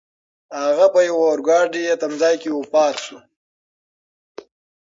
هغه په یوه اورګاډي تمځای کې وفات شو.